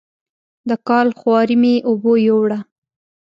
د کال خواري مې اوبو یووړه.